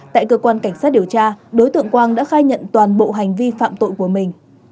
tại cơ quan cảnh sát điều tra đối tượng quang đã khai nhận toàn bộ hành vi phạm tội của mình